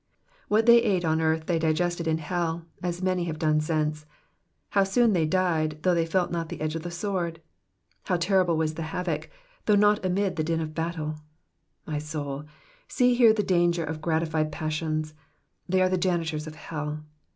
What they ate on earth they digested in hell, as many liave done since. How soon they died, though they felt not the edge of the sword ! How terrible was the havoc, though not amid the din of buttle ! My soul, see here the danger of gratified passions ; they are the janitors of hell.